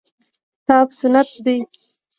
کتاب سنت دي.